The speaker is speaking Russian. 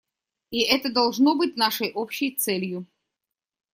И это должно быть нашей общей целью.